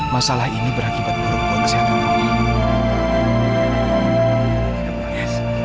masalah ini berakibat buruk buat kesehatan tubuh